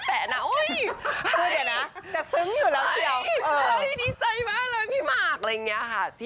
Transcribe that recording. พูดเดี๋ยวนะจะซึ้งอยู่แล้วเชียวดีใจมากเลยพี่หมาก